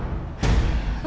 baka berjanjah aja